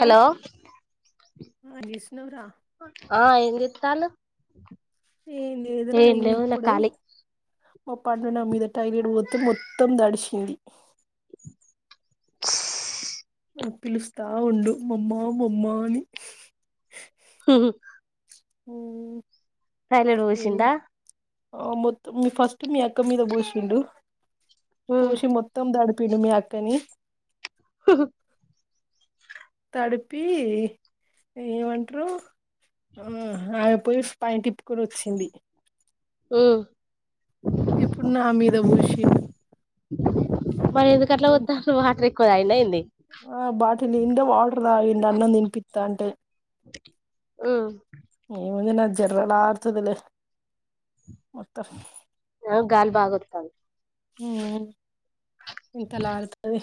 Hello ఆ నిస్తనవ్ర ఆ ఎన్ చేతలు ఏం లేదురా ఇప్పుడే మ పండు నా మీద టాయిలెట్ పోతే మొత్తం దడిచింది [unintelligible] నువ్వు పిలుస్తా ఉండు మమ్మ మమ్మ అని హు హు ఉ టాయిలెట్ పోషిండా మొత్తం మీ ఫస్ట్ మీ అక్క మీద పోసిండు పోషి మొత్తం తడు పిండు మీ అక్కని హు హు తడిపి ఏమంట్రు ఉ ఆమేపోయి పై తిప్పుకొని వచ్చింది ఉ ఇప్పుడు నా మీద పోసి ది [unintelligible] మరి ఎందుకట్లా వోత్తరు వాటరే ఎక్కువ తాగిందా ఏంది ఆ బాటిల్ నిండా వాడు తాగిండు అన్నం తినిపిత్తంటే ఉ ముందున జరలార్థదిలే మొత్తం ఆ గాలి బాగొత్తాంది ఉ ఇంతలాలతది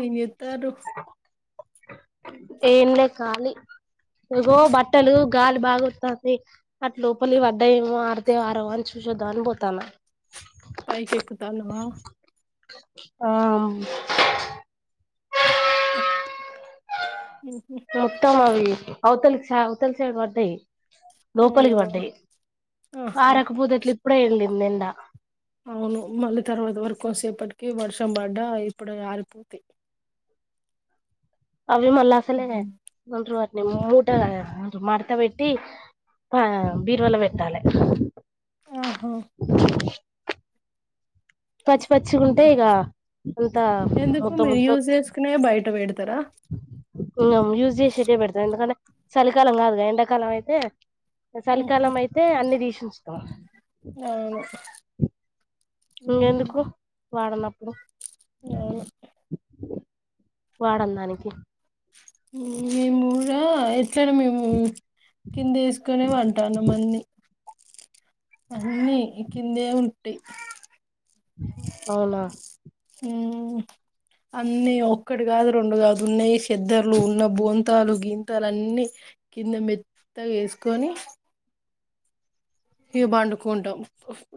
ఏం చే తాండ్రు ఏం లే ఖాలి ఇగో బట్టలు గాలి బాగా వస్తాంది అట్ లోపలి పడ్డాయేమో ఆరతయొ ఆరవో అని చూసొద్దా మని పోతన్నా పైకెక్కుతన్నావా ఆ ఉహు మొత్తమ అవి అవుతలి సా అవుతలి సైడ్ పడ్తాయి అవునా లోపలికి పడ్డాయి ఆహా ఆరకపోతే ఇట్లే ఇప్పుడే వెళ్ళిన్ నిన్న అవును మళ్ళీ తర్వాత వరకు కొసేపటికే వర్షం పడ్డా ఇప్పుడు ఆరిపోతాయి అవి మళ్ళ అసలే ఉమ్. గుంటరు ని మూట మడత పెట్టి ఆ బీరువాలో పెట్టాలే ఆహా పచ్చి పచ్చికుంటయిగా అంత ముద్ద ముద్ద ఇత్తార ఇ యూజ్ చేసిఇటే పెడతాం ఎందుకంటే చలికాలం కాదుగా ఎండాకాలం అయితే చలికాలం అయితే అన్ని తీసు చూస్తా ఆవును ఇంగ ఎందుకు వాడనప్పుడు అవును వాడందానికి అ మేము ర [unintelligible] అట్లా నె మేము కింద వేసుకొనే వంటాము మన్ని అన్నీ కిందే ఉంటయి అవునా అన్ని ఒక్కటి కాదు రెండు కాదు ఉన్నాయి చెద్దర్లు ఉన్న బొంతాలు గింతాలు అన్ని కింద మెత్త గా వేసుకొనీ ఇహ బండుకుంటం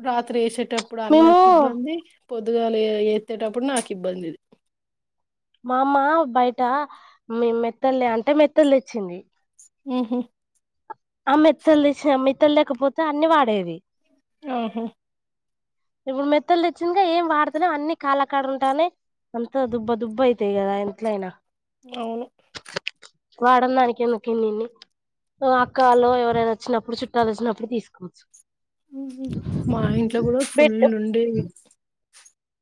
రాత్రి ఏసె ప్పుడు మేము అన్నకి ఇబ్బంది పొద్దుగాలు ఎత్తేటప్పుడు నాకు ఇబ్బందిది మా అమ్మ బయట అమ్మి మెత్తల్లె అంటే మెత్తల్లు తెచ్చింది ఉహు ఆ మెత్తలు తీసేయ్ మెత్తలు లేకపోతే అన్ని వాడేవి. ఓహో ఇప్పుడు మెత్తలు తెచ్చిందిగా ఏం వాడుతాలేం అన్ని కాళ్ల కాడ ఉంటాన్నై, అంత దుబ్బ దుబ్బ అయితయి కదా ఎంట్లయినా అవును వాడన్ దానికి ఎందుకిన్నిన్ని, ఆ అక్కలో ఎవరైనా వచ్చినప్పుడు చుట్టాలచ్చినప్పుడు తీసుకోవచ్చు. ఉహు మా ఇంట్లో కూడా బెడ్ ఫుల్ ఉండేవి.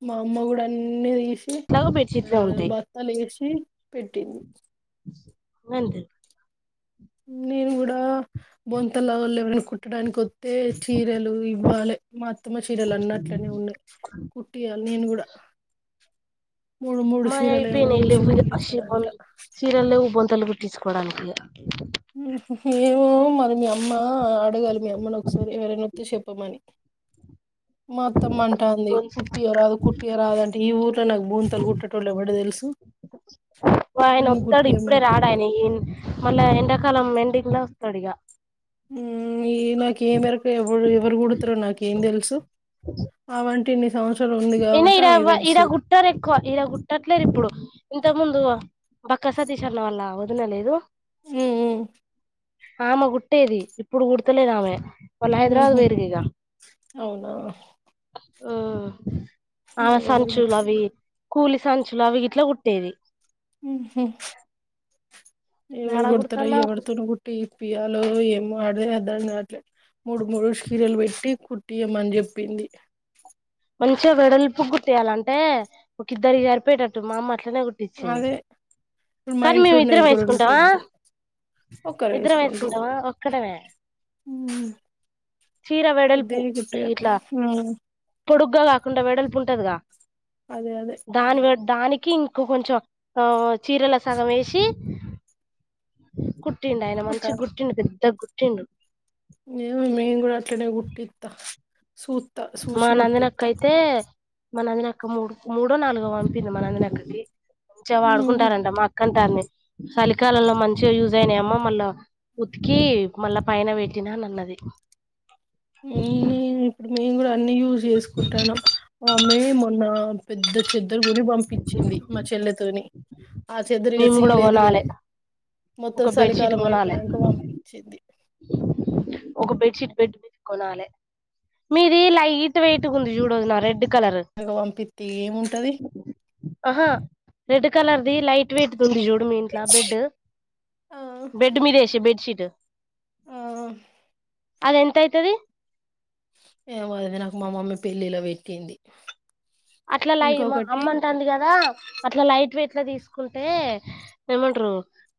మా అమ్మ గుడ అన్నీదీస్ సి ఎట్లాగో ఆ బెడ్షీట్లే ఉంటాయి బత్తాల ఏసి పెట్టింది. నందిన్ నేను కూడా బొంతల వాళ్ళువరన కుట్టడానికి ఒత్తే చీరలు ఇవ్వాలె, మా అత్తమ్మ చీరలు అన్నట్లనే ఉన్నయ్, కుట్టియాలె నేను కూడా. మూడు మూడు చీరలు ఏమో మాయైపోనై వేసి లెవ్వు, కుట్టిస్తారంట [unintelligible] చీరల్ లెవ్వు బొంతలు కుట్ తీస్కోడానికే ఉహ్ హ్మ్ ఏ మో మీ అమ్మ ఆ అడగాలె మీ అమ్మని ఒకసారి ఎవరైన వత్తే షెప్పమని. మా అత్తమ్మ అంటాంది కుట్టియ్య రాదు కుట్టియ్య రాదు అంటే, ఈ ఊర్ల నాకు బొంతలు కుట్టేటోళ్లు ఎవడు తెలుసు. గఉం ఒ ఆయన ఒత్తడు, ఇప్పుడే రాడాయన ఈన్ మొన్నా ఎండకు కలం మెండింగ్లా ఒస్తడిగా. ఊమ్ ఈమెకు ఏం ఎరక ఎవడు ఎవరు కుడతరో నాకేందెలుసు, అవం ఇన్ని సంవస్ ఏనీ ఇడ ఎవ్వ ఇడ కుట్టరు ఎక్కువ ఇడ కుట్టట్లేదు ఇప్పుడు. ఇంతకు ముందు ఆ బక్కా సతీష్ అలా వాళ్ల ఒదిన లేదు. ఊమ్ ఉ ఆమె గుట్టేది ఇప్పుడు గుడ్తలేదు ఆమె. వాళ్ళు హైదరాబాద్ ఊహ్మ్ పోయిర్రు ఇగ అవునా ఆ ఆ ఎవరు సంచులవి కూలి సంచులు అవి గిట్ల కుట్టేది. ఉహు యాడ ఎవగుడతడో కుడతాంది ఆమె ఎవడుతోనో గుటి ఇ పి అలో ఏమో అదే అర్థం గవట్లే మూడు మూడు శీరలు వెట్టి కుట్టియమని చెప్పింది మంచిగా వెడల్పుగా గుట్టియాలంటే ఒక ఇద్దరి జరిపోయేటట్టు మా అమ్మ అట్లనే కుట్టించింది అదే ఇప్పుడు మా కానీ ఇంట్లో మేము ఉన్నాయి ఇద్రం ఒక రెండు ఎసుకుంటం ఆ పెద్దయి ఒక్కరు ఇద్రం ఎసుకుంటమ ఒక్కటమే ఊమ్ చీర వెడల్పు పెద్దగానే కుట్టారు ఇట్లా ఊమ్ పొడుగ్గా గాకుండా వేడల్పు ఉంటదిగా అదే అదే దానివె దానికి కి ఇంక కొంచం ఆ చీరల సగం ఎసి కుట్ ట్టిండ్ ఆయన మంచి గుట్టిండు పెద్ద గు టిండు ఏ మమీ ఒ అట్లనే గుటిత్త సూత సూషిగుట్టీత్త మన నందిని అక్క మూడు మూడో నాలుగో వంపింది మా నందినక్కకి మంచే ఉమ్ వాడుకుంటారంట మా అక్క అంటాంది చలికాలలో మంచిగా యూజ్ అయినాయమో మళ్ళా ఉతికి మళ్ళా పైన పెట్టినా అన్నది నేను ఇప్పుడు మిం గుడ అ యూజై చేసుకుంటామ్ మమి మోన్న పెద్దచ్చ చెద్దరు గుడి పంపించింది మా చెల్లెతోని ఆ చెద్దరుగా మేము కూడా సీలే కొనాలే దియలే మొత్తం ఒక బెడ్షీట్ చలికాలం కొనాలే అయిపోయియాక పంపించింది ఒక బెడ్షీట్ బెడ్ మీది కొనాలి మీది లైట్ వెయిట్ ఉంది చూడొదినా రెడ్ కలర్ అనగ పంపితి ఏముంటది ఆహా రెడ్ కలర్ ద లైట్ వేట్ తంది చూడు మీ ఇంట్లా బెడ్ ఆ బెడ్ మీదేశె బెడ్ చిడు ఆ అద ఎంత అయితది ఏమో అది నాకు మా మమ్మీ పెళ్ళిలో పెట్టింది అట్లా లాయ మా ఇంకొకటి అమ్మంటంది కదా అట్లా లైట్ వెయిట్లా తీసుకుంటే ఏమంటారు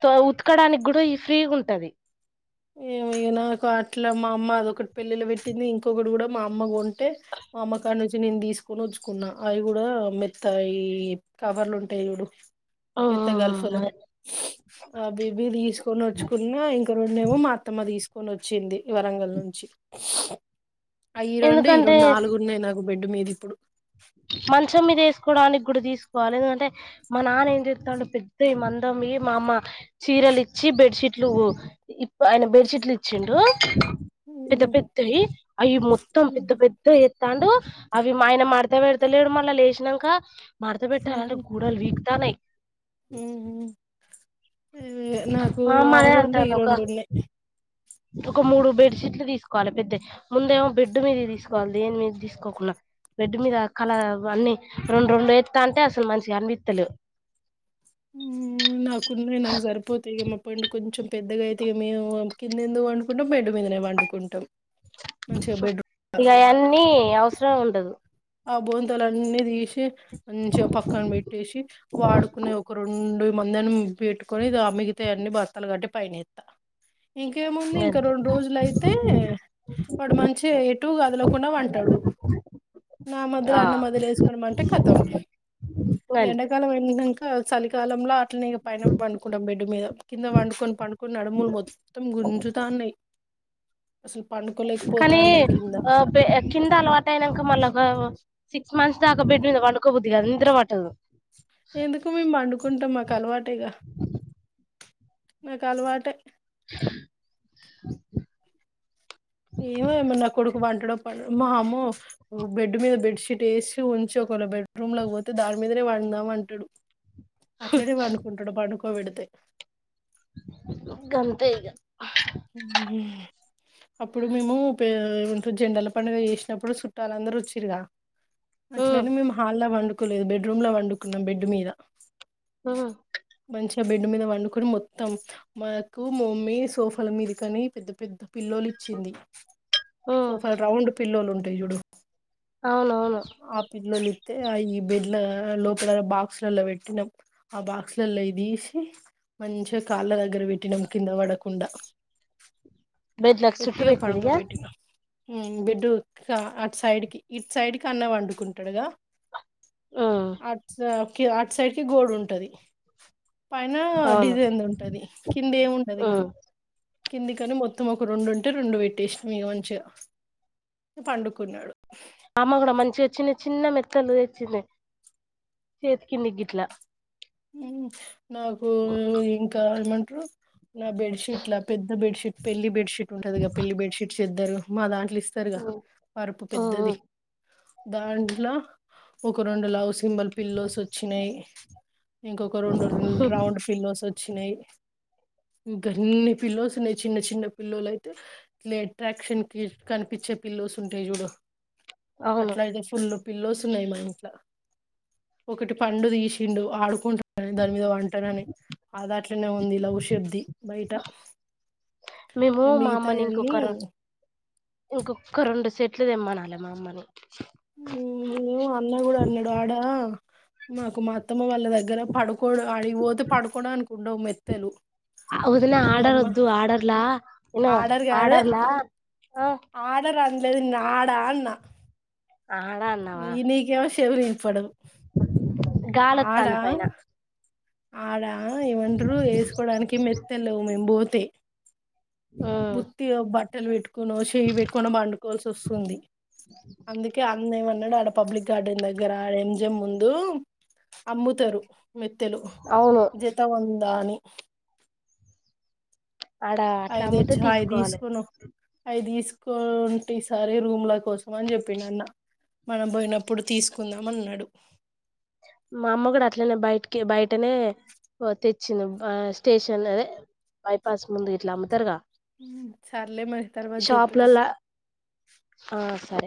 త ఉతుకడానికి కూడా ఈ ఫ్రీ ఉంటది ఎమో ఈగ నాకు అట్లా మా అమ్మ అదొకటి పెళ్ళిలు పెట్టింది ఇంకొకటి కూడా మా అమ్మ కొంటే మా అమ్మ కాడ నుంచిి నేను తీసుకొని ఉచ్చుకున్నా అవి కూడా మెత్తాయి కవర్లు ఉంటాయి చడు మెత్తగల్ఫలు ఆ బిబీ తీసుకొని వచ్చుకున్నా ఇంక రెం మేము మా అత్తమ్మ తీసుకొని వచ్చింది వరంగల్ నుంచి అయ్యి రెండు ఈ ఎందుకంటే రెండు నాలుగున్నాయి నాక్ బెడ్డు మీద ఇప్పుడు తీసుకోడానికి కూడా తీసుకోవాలి ఎందుకంటే మా నాన్న ఏం చేస్తాండు పెద్ద ఈ మందం ఈ మా అమ్మ చీరలు ఇచ్చి బెడ్షీట్లు ఇ ఆయన బెడ్షీట్లు ఇచ్చిండు పెద్ద పెద్దవి అవి మొత్తం పెద్ద పెద్ద తాండు అవి మా ఆయన మడ పెడతలేడు మళ్ళా లేచినంక మడత పెట్టాలంటే గూడల్ వీక్ తానై ఉ ఉమ్ మా అమ్మ అదే ఈ అంటాంది ఒక రెండు ఉన్నాయి ఒక మూడు బెడ్షీట్లు తీసుకోవాలి పెద్దయ్ ముందేమో బెడ్ మీద తీసుకోవాలి దేని మీద తీసుకోకున్నా బెడ్ మీద కల అన్ని రెండు రెండు ఎస్తాఅంటే అసలు మంచిగా అనిపిస్తలే నాకున్నాయి నాకు సరిపోతాయి ఇగ మా పండు కొంచెం పెద్దగా అయితేగా మేము కింద ఎందుకు పండుకుంటా బెడ్డు మీదనే పండుకుంటాం ఇగా ఆయన్ని అవసరం ఉం అదు ఆ బొంతలన్నీ తీసి మంచిగా పక్క పెట్టేసి వాడుకునే ఒక రెండు మందను పెట్టుకని ద మిగతాయి అని బత్తల కట్టి పైనెత్త ఇంకేముంది ఇంకా గంతే రెండు రోజులు అయితే వాడు మంచిగా ఎటు కదలకుండా పంటడు నా మధ్యల ఆ అన్న మధ్యల వేసుకునీ పంటె కతం ఈ గంతే ఎండాకాలం ఎళ్ళినంక చలికాలంల అట్లనేగా పైన పండుకుంటాం బెడ్డు మీద కింద పండుకొని పండుకొని నడుములు మొత్తం గుంజుతాన్నాయి కానీ కింద ఆ కింద అలవాటు అయినా మళ్ళా బావ్ సిక్స్ మంత్స్ దాకా బెడ్డు మీద పడుకో బుద్ధి కాదు నిద్ర పట్టదు ఎందుకు మేము పండుకుంటాం మాకు అలవాటేగా నాకు అలవాటే [inaudible] ఏమో ఏమో నా కొడుకు పంటడో పండడో మా అమ్మో బెడ్డు మీద బెడ్ షీట్ వేసి ఉంచి ఒక వేళ బెడ్రూమ్లకి పోతే దాని మీదనే పడుదాం అంటాడు అట్లనే పండుకుంటాడు పండుకు కోవిడితే గంతే ఇగా అప్పుడు మేము పే ఏవింటివో జెండల పండగ చేసినప్పుడు సుట్టలందరు వచ్చిర్రుగా ఉమ్ అట్లనే మేము హాల్లా పండుం కు లేదు బెడ్రూం లో పండుకున్నాం బెడ్ మీద ఆ మంచిగా బెడ్ మీద వండుకొని మొత్తం మాకు మమ్మీ సోఫా ల మీది కనీ పెద్ద పెద్ద పిల్లోలు ఇచ్చింది ఉమ్ సోఫల్ రౌండ్ పిల్లోలు వున్ తే చూడు అవునవును ఆ పిల్లో లీవ్ అయితే ఆ ఈ బెడ్ల లోపల బాక్స్లలో పెట్టినాం ఆ బాక్స్ లలో తీసి మంచిగా కాళ్ళ దగ్గర పెట్టినాం కింద పడకుండా బెడ్లకి చుట్టూ పెట్టిర్రుగా బెడ్డు క అటు సైడ్కి ఇటు సైడ్ కి అన్నవి పండుకుంటాడుగా ఉమ్ అచ్చా కి ఆట్ అట్ సైడ్ కి గోడ్ ఉంటది పైన అవును డిజైంది ఉంటది కింద ఏమున్నాదిగా ఉమ్ కిందికని మొత్తమొ అప్ ఒక రెండు ఉంటే రెండు పెట్టేసినా ఇగ మంచిగా పండుకున్నాడు అమ్మ కూడా మంచిగా చిన్న మెత్తలు తెచ్చింది చేతికిందికి గిట్లా మ్ నాకు ఇంకా ఎమన్నా ట్రూ నా బెడ్షీట్లా పెద్ద బెడ్ షీట్ పెళ్లి బెడ్షీట్ ఉంటుందిగా పెళ్లి బెడ్షట్ చేద్దరు మాలాంటి పలిస్తారుగా పర్పు పెద్దది దాంట్లో ఒక రెండు లవ్స్ సింబల్ పిల్లోస్ వచ్చినాయి ఇంకొక రెండు రౌండ్ ఫిలోస్ వచ్చినాయి ఇంకా ఇన్ని పిల్లోస్ ఉన్నాయి చిన్న చిన్న పిల్లోలు అయితే ఇట్ల అట్రాక్షన్ కి కనిపించే పిల్లోస్ ఉంటాయి చూడు అవును అట్లా ఇతే ఫుల్లుక్ పిల్లోస్ ఉన్నాయి మా ఇంట్లో ఒకటి పండు తీసిండు ఆడు దాని మీద వంటనని ఆదాట్లోనే ఉంది లవ్ షేప్ ది బయట మిగతాయ అన్ని ఇంకొక్క రెండు సెట్లు దెమ్మనాలె మా అమ్మని [unintelligible] అన్న కూడా అన్నాడు ఆడా మాకు మా అత్తమ్మ వాల్ [inaudible] దగ్గర పడుకోడు అడికి పోతే పడుకోవడానికుండవు మెత్తలు వదిన మీ ఆర్డర్ అమ్మ వద్దు ఆర్డర్లా ఇను ఆడర్లా అడ రనలేదు నాడా అన్నా ఆడ అన్నావా ఈ నీకేమో షెవులినపడవు ఆడ గాలొత్తాంది పైన ఆడ ఆ ఏవంటరు ఏసుకోవడానికి మెత్తల్లేవు మేం బో తే ఉమ్ బుత్తిగ బట్ తెెలివిట్ కోనో చెయి పెట్టుకొనో పండుకోవాల్సి వస్తుంది అందుకే అన్న ఏమన్నా ఉన్నడాడ పబ్లిక్ గార్డెన్ దగ్గర ఎం జి యం ముందు అమ్ముతారు మీకు తె అవును జత వన్ దా అని అడ అట్లా అవి అమ్ముతే తెచ్చి తీసుకోవాలే కోంటి సారి రూమ్ ల కోసం అని చెప్పిండు అన్న మనం పోయినప్పుడు తీసుకుందాం అన్నాడు మా అమ్మ కూడా అట్లనే బయటికి బయటనే తెచ్చింది స్టేషన్ అదే బైపాస్ ముందు ఇట్లా అమ్ముతారుగా ఉమ్, సర్లే మరి తరువాత చెత్తా తీ షాపులలా ఆ సరే